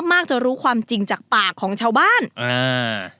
มากจะรู้ความจริงจากปากของชาวบ้านอ่า